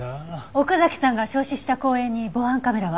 奥崎さんが焼死した公園に防犯カメラは？